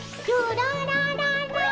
ルララララ。